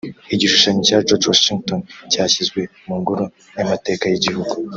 igishushanyo cya George Washington cyashyizwe mu ngoro y’amateka y’igihugu